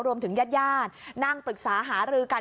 รวมถึงญาตินั่งปรึกษาหารือกัน